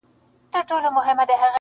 بس په علم او هنر به د انسان مقام لوړېږي,